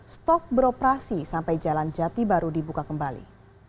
stok beroperasi sampai jalan jati baru dibuka kembali